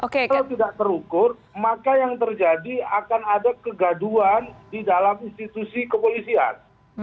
kalau tidak terukur maka yang terjadi akan ada kegaduan di dalam institusi kepolisian